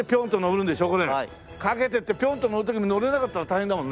駆けていってピョンと乗る時に乗れなかったら大変だもんね。